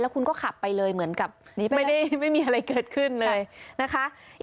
คุณก็ขับไปเลยเหมือนกับไม่ได้ไม่มีอะไรเกิดขึ้นเลยนะคะ